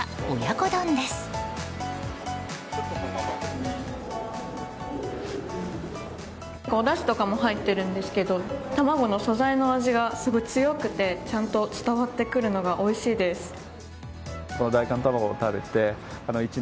おだしとかも入ってるんですけど卵の素材の味が強くてちゃんと伝わってくるのがおいしいです。